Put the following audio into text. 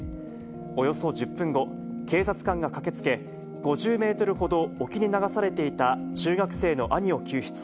およそ１０分後、警察官が駆けつけ、５０メートルほど沖に流されていた中学生の兄を救出。